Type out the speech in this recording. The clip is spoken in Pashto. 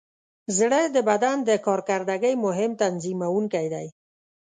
زړه د بدن د کارکردګۍ مهم تنظیموونکی دی.